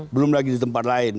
belum lagi di tempat lain